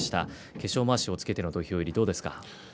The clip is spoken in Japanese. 化粧まわしをつけての土俵入りどうですか？